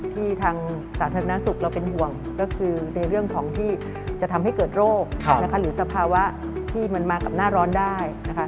ที่ทางสาธารณสุขเราเป็นห่วงก็คือในเรื่องของที่จะทำให้เกิดโรคหรือสภาวะที่มันมากับหน้าร้อนได้นะคะ